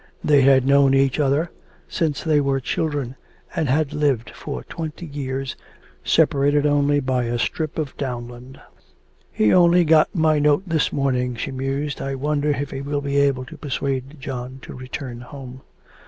They had known each other since they were children, and had lived for twenty years separated only by a strip of downland. 'He only got my note this morning,' she mused. 'I wonder if he will be able to persuade John to return home.'